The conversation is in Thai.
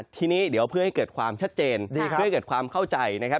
ทีนี้เดี๋ยวเพื่อให้เกิดความชัดเจนเพื่อให้เกิดความเข้าใจนะครับ